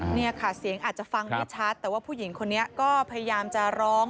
เนี่ยค่ะเสียงอาจจะฟังไม่ชัดแต่ว่าผู้หญิงคนนี้ก็พยายามจะร้อง